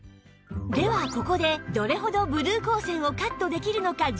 ではここでどれほどブルー光線をカットできるのか実験